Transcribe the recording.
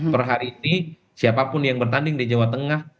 perhari ini siapa pun yang bertanding di jawa tengah